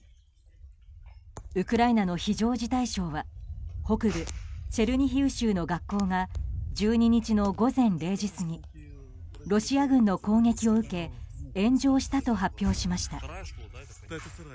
ウクライナの非常事態省は北部チェルニヒウ州の学校が１２日の午前０時過ぎロシア軍の攻撃を受け炎上したと発表しました。